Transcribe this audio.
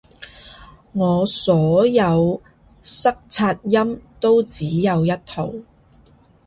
我所有塞擦音都只有一套